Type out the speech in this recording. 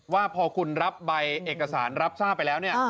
ว่าพอคุณรับใบเอกสารรับทราบไปแล้วเนี่ย